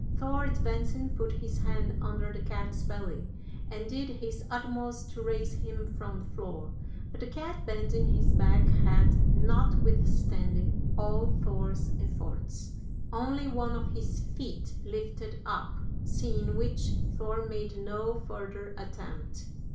Thor advancing put his hand under the cat's belly, and did his utmost to raise him from the floor, but the cat bending his back had, notwithstanding all Thor's efforts, only one of his feet lifted up, seeing which, Thor made no further attempt.